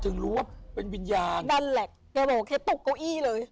อ๋อถึงรู้ว่าเป็นวิญญาณด้านแหละเขาบอกโคโก้ิเลย